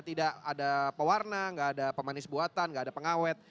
tidak ada pewarna nggak ada pemanis buatan nggak ada pengawet